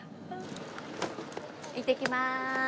いってきまーす。